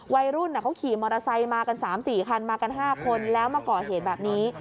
วัยรุ่นเขาขี่มอเตอร์ไซค์มากัน๓๔คันมากัน๕คนแล้วมาก่อเหตุแบบนี้